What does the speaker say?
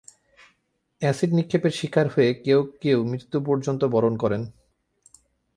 Acid নিক্ষেপের শিকার হয়ে কেউ কেউ মৃত্যু পর্যন্ত বরণ করেন।